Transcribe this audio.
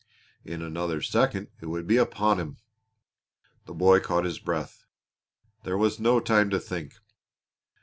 In another second it would be upon him. The boy caught his breath. There was no time to think.